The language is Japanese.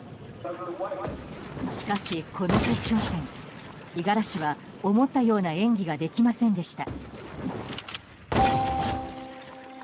しかし、この決勝戦五十嵐は思ったような演技ができませんでした。